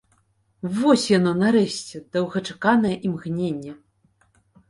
Вось яно, нарэшце, доўгачаканае імгненне!